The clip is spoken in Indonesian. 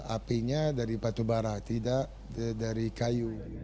apinya dari batu bara tidak dari kayu